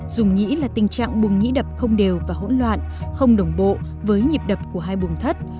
dung nhĩ là tình trạng bùng nhĩ đập không đều và hỗn loạn không đồng bộ với nhịp đập của hai bùng thất